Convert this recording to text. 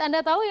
anda tahu ya